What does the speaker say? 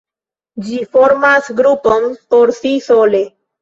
Ĝi formas grupon por si sole.